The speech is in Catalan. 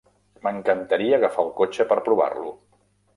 M'encantaria agafar el cotxe per provar-lo.